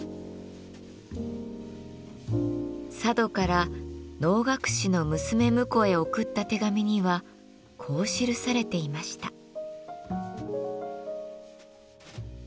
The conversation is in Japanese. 佐渡から能楽師の娘婿へ送った手紙にはこう記されていました。